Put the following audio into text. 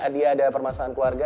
dia ada permasalahan keluarga